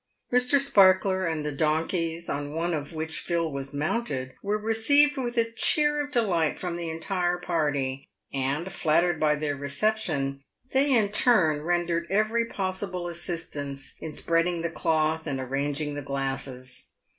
Mr. Sparkler and the donkeys, on one of which Phil was mounted, were received with a cheer of delight from the entire party, and, flat tered by their reception, they in return rendered every possible assist ance in spreading the cloth and arranging the glasses.